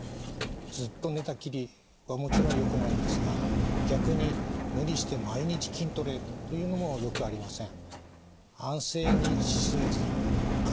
ずっと寝たきりはもちろんよくないんですが逆に無理して毎日筋トレというのもよくありません。